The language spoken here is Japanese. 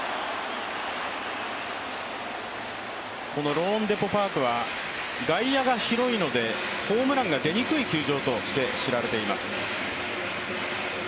ローンデポ・パークは外野が広いのでホームが出にくい球場として知られています。